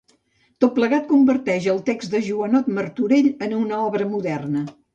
Tot plegat converteix el text de Joanot Martorell en una obra moderna.